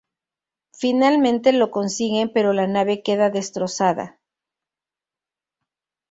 Finalmente lo consiguen pero la nave queda destrozada.